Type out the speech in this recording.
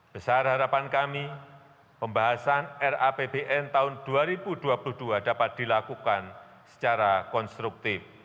besar harapan kami pembahasan rapbn tahun dua ribu dua puluh dua dapat dilakukan secara konstruktif